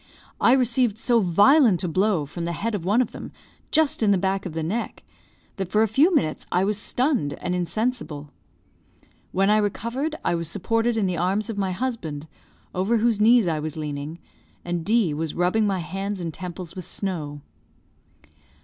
I received so violent a blow from the head of one of them, just in the back of the neck, that for a few minutes I was stunned and insensible. When I recovered, I was supported in the arms of my husband, over whose knees I was leaning, and D was rubbing my hands and temples with snow.